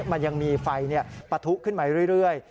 มันยังมีไฟปะทุขึ้นมาเรื่อย